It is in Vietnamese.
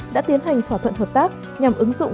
đã tiến hành thỏa thuận hợp tác nhằm ứng dụng